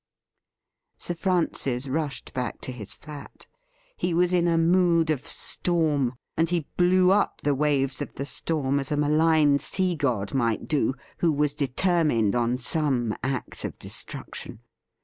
Sir Francis rushed back to his flat. He was in a mood of storm, and he blew up the waves of the storm as a malign sea god might do who was determined on some act of destruction.